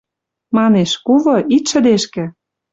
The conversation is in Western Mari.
Манеш: «Кувы, ит шӹдешкӹ